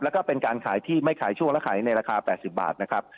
แล้วก็เป็นการขายที่ไม่ขายช่วงและขายในราคา๘๐บาทนะครับ